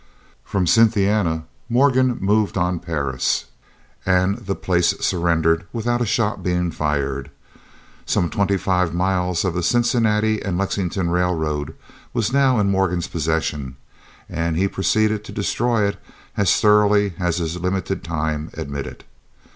From Cynthiana, Morgan moved on Paris, and the place surrendered without a shot being fired. Some twenty five miles of the Cincinnati and Lexington railroad was now in Morgan's possession, and he proceeded to destroy it as thoroughly as his limited time admitted.